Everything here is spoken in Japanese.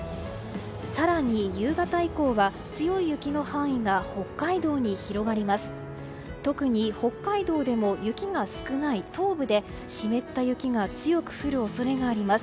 更に夕方以降は強い雪の範囲が北海道に広がります。